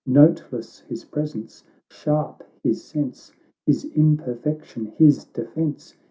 Noteless his presence, sharp his sense, His imperfection his defence.